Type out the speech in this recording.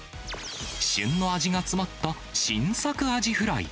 旬の味が詰まった新作アジフライ。